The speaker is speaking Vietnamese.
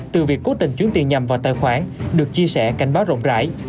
từ việc cố tình chuyến tiền nhầm vào tài khoản được chia sẻ cảnh báo rộng rãi